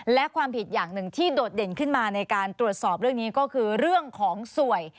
และความผิดอย่างหนึ่งที่โดดเด่นขึ้นมาในการตรวจสอบเรื่องนี้ก็คือเรื่องของสวย